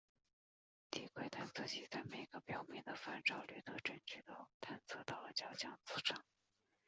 低轨探测器在每个标明的反照率特征区都探测到了较强磁场。